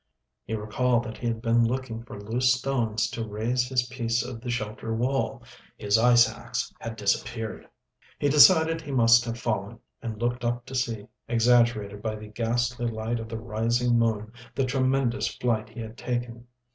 He recalled that he had been looking for loose stones to raise his piece of the shelter wall. His ice axe had disappeared. He decided he must have fallen, and looked up to see, exaggerated by the ghastly light of the rising moon, the tremendous flight he had taken.